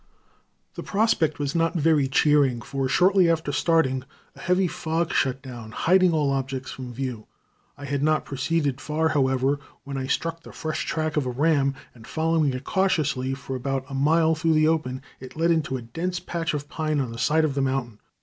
The prospect was not very cheering, for shortly after starting a heavy fog shut down, hiding all objects from view. I had not proceeded far, however, when I struck the fresh track of a ram, and, following it cautiously for about a mile through the open, it led into a dense patch of pine on the side of the mountain.